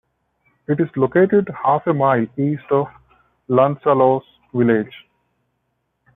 It is located half-a-mile east of Lansallos village.